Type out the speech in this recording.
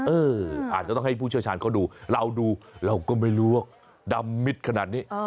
อาจจะต้องให้ผู้เชี่ยวชาญเขาดูเราดูเราก็ไม่รู้ว่าดำมิดขนาดนี้